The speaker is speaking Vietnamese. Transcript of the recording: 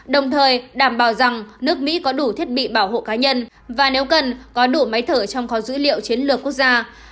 đồng thời đảm bảo rằng nước mỹ có đủ thiết bị bảo hộ cá nhân và nếu cần có đủ máy thở trong kho dữ liệu chiến lược quốc gia